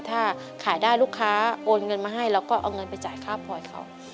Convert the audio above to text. ถ้าขายได้ลูกค้าโอนเงินมาให้เราก็เอาเงินไปจ่ายค่าพลอยเขา